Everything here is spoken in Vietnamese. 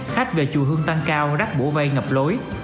khách về chùa hương tăng cao đắc bổ vây ngập lối